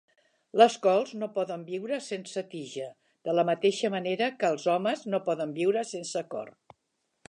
Les cols no poden viure sense tija de la mateixa manera que els homes no poden viure sense cor.